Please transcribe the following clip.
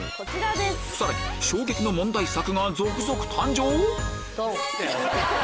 さらに衝撃の問題作が続々誕生⁉